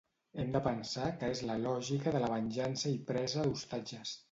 Hem de pensar que és la lògica de la venjança i presa d’ostatges.